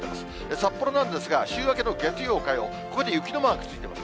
札幌なんですが、週明けの月曜、火曜、ここに雪のマークついています。